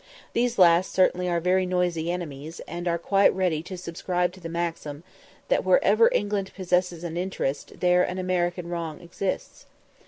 These last certainly are very noisy enemies, and are quite ready to subscribe to the maxim, "That wherever England possesses an interest, there an American wrong exists."